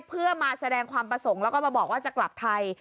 เพื่อมาแสดงความประสงค์แล้วก็มาบอกว่าจะกลับไทย